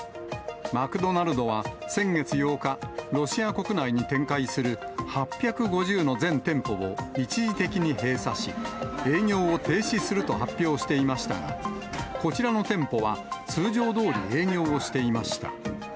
マクドナルドは先月８日、ロシア国内に展開する８５０の全店舗を一時的に閉鎖し、営業を停止すると発表していましたが、こちらの店舗は、通常どおり、営業していました。